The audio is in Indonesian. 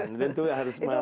dan tentu harus mau belanja